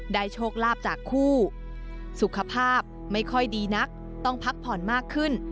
โชคลาภจากคู่สุขภาพไม่ค่อยดีนักต้องพักผ่อนมากขึ้น